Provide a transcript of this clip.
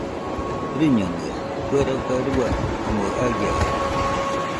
Rɨñonɨaɨ, kue roga rua omoɨ aiaɨri.